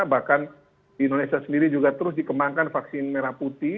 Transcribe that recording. bahkan di indonesia sendiri juga terus dikembangkan vaksin merah putih